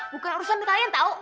bukan harus sampe kalian tau